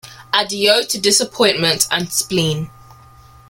Adieu to disappointment and spleen.